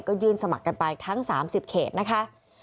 ก็ยื่นสมัครกันไปทั้ง๓๐เขตนะคะ